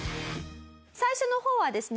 最初の方はですね